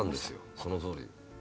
そのとおり。